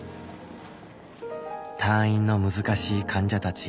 退院の難しい患者たち。